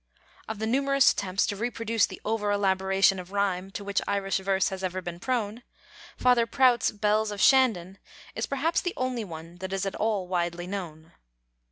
Of the numerous attempts to reproduce the overelaboration of rhyme to which Irish verse has ever been prone, Father Prout's Bells of Shandon is perhaps the only one that is at all widely known.